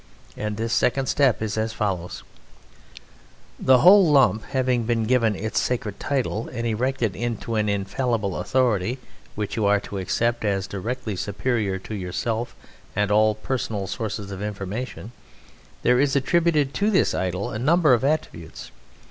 And this second step is as follows: The whole lump having been given its sacred title and erected into an infallible authority, which you are to accept as directly superior to yourself and all personal sources of information, there is attributed to this idol a number of attributes.